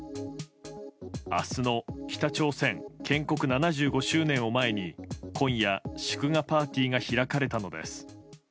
明日の北朝鮮建国７５周年を前に今夜、祝賀パーティーが開かれたのです。